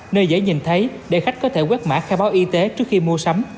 nơi dễ nhìn thấy để khách có thể quét mã khai báo y tế trước khi mua sắm